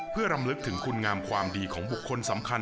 เพื่อรำลึกถึงคุณงามความดีของบุคคลสำคัญ